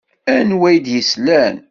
Anwa i d-yeslan?